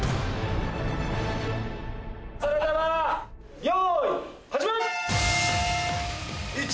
それではよい始め！